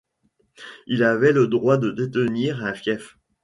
Ils avaient le droit de détenir un fief.